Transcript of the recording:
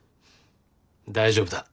大丈夫だ。